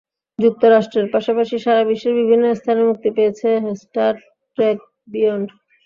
যুক্তরাষ্ট্রের পাশাপাশি সারা বিশ্বের বিভিন্ন স্থানে মুক্তি পেয়েছে স্টার ট্রেক বিয়ন্ড।